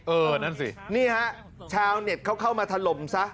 เออนั่นใสนี่นะเช้าเน็ตเข้ามาถ่าลมซะ